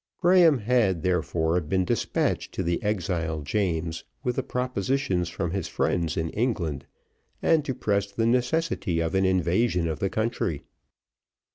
Graham had, therefore, been despatched to the exiled James, with the propositions from his friends in England, and to press the necessity of an invasion of the country.